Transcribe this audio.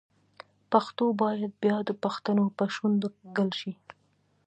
پښتو باید بیا د پښتنو په شونډو ګل شي.